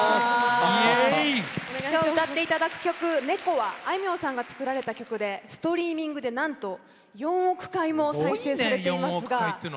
今日歌っていただく曲「猫」はあいみょんさんが作られた曲でストリーミングで、なんと４億回も再生されています。